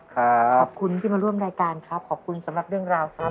ขอบคุณที่มาร่วมรายการครับขอบคุณสำหรับเรื่องราวครับ